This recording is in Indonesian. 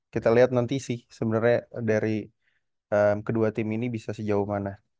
kita lihat nanti sih sebenarnya dari kedua tim ini bisa sejauh mana